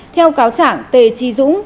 theo cáo trảng tề trí dũng